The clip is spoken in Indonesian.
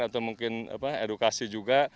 atau mungkin edukasi juga